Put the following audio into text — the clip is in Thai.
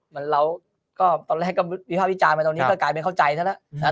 ตอนแรกก็วิภาพวิจารณ์มาตรงนี้ก็กลายเป็นเข้าใจเท่านั้น